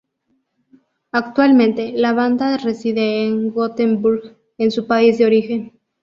Actualmente la banda reside en Gothenburg, en su país de origen.